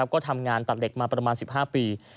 ก็ทำงานตัดเหล็กมาประมาณ๑๕ปี